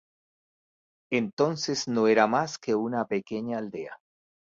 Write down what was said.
Entonces no era más que una pequeña aldea.